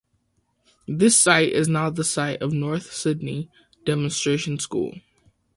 This site is now the site of North Sydney Demonstration School.